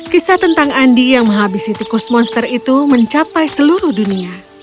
kisah tentang andi yang menghabisi tikus monster itu mencapai seluruh dunia